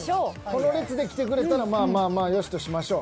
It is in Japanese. この列できてくれたらまあまあまあよしとしましょう。